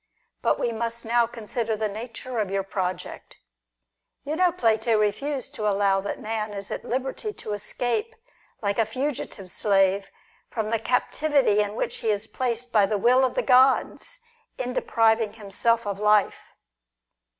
But we must now consider the nature of your .project. You know Plato refused to allow that man is 'at liberty to escape, like a fugitive slave, from the captivity in which he is placed by the will of the gods, in depriving himself of life.